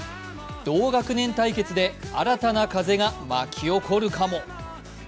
同学年対決で新たな対決が巻き起こるかも。